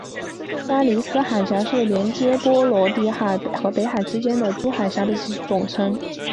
丹尼斯海峡是连结波罗的海和北海之间的诸海峡之总称。